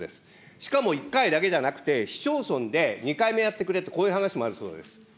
しかも１回だけじゃなくて、市町村で２回目やってくれと、こういう話もあるそうです。